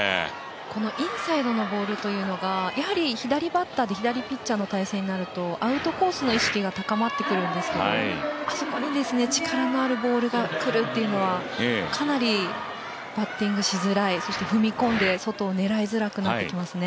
このインサイドのボールというのが、やはり左バッターで左ピッチャーの対戦になるとアウトコースの意識が高まってくるんですけどあそこに力のあるボールがくるっていうのは、かなりバッティングしづらい、そして踏み込んで外を狙いづらくなってきますね。